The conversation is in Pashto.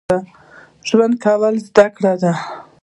ژوند کول زده کړئ